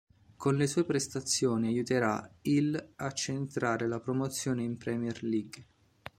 Con le sue prestazioni aiuterà il a centrare la promozione in Premier League.